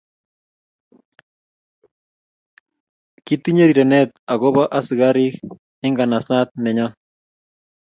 Kitinye rirenet ak ko bo asikari en ngansat nenyon